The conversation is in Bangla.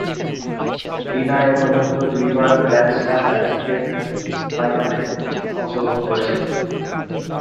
লি না এ পর্যন্ত দুইবার গ্র্যান্ড স্ল্যাম এককের ফাইনালে অংশগ্রহণ করেছেন।